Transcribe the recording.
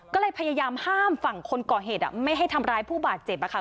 ก็เลยพยายามห้ามฝั่งคนก่อเหตุไม่ให้ทำร้ายผู้บาดเจ็บอะค่ะ